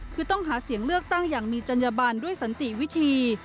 คือต้องหาเสียงเลือกตั้งอย่างมีจัญญบันด้วยสันติวิธี